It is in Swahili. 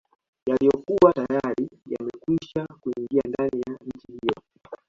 Yaliyokuwa tayari yamekwisha kuingia ndani ya nchi hiyo